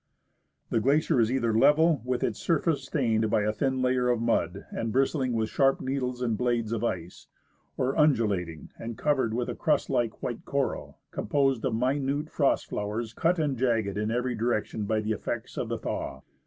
The glacier is either level, with its surface stained by a thin layer of mud and brisding with sharp needles and blades of ice, or undulating and covered with a crust like white coral, com posed of minute frost flowers, cut and jagged in every direction by the effects of the thaw.